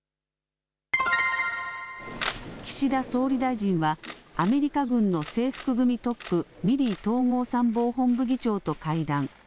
岸田総理大臣は、アメリカ軍の制服組トップ、ミリー統合参謀本部議長と会談。